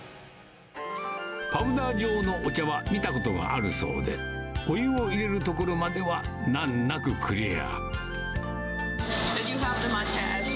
パウダー状のお茶は見たことがあるそうで、お湯を入れるところまでは難なくクリア。